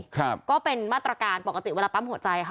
ครับก็เป็นมาตรการปกติเวลาปั๊มหัวใจค่ะ